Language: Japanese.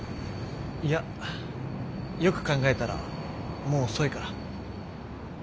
いやよく考えたらもう遅いから。